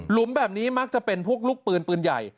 มแบบนี้มักจะเป็นพวกลูกปืนปืนใหญ่